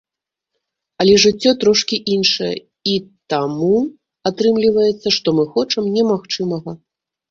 Але жыццё трошкі іншае, і таму атрымліваецца, што мы хочам немагчымага.